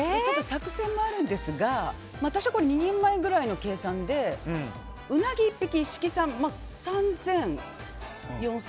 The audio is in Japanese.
作戦もあるんですが、私２人前ぐらいの計算でうなぎ１匹、一色産で３０００、４０００